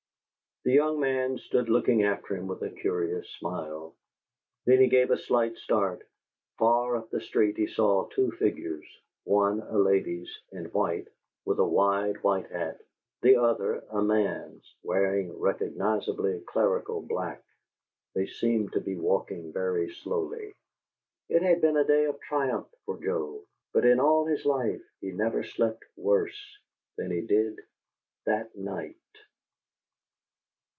The young man stood looking after him with a curious smile. Then he gave a slight start. Far up the street he saw two figures, one a lady's, in white, with a wide white hat; the other a man's, wearing recognizably clerical black. They seemed to be walking very slowly. It had been a day of triumph for Joe; but in all his life he never slept worse than he did that night.